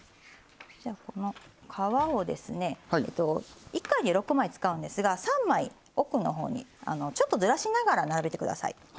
じゃあこの皮をですね１回に６枚使うんですが３枚奥の方にちょっとずらしながら並べてください。